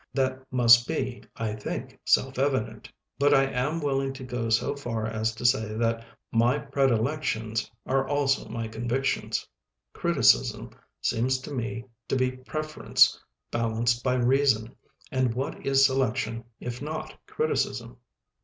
That must be, I think, self evident; but I am willing to go so far as to say that my predilections are also my convic tions. Criticism seems to me to be preference balanced by reason, and what is selection if not criticism?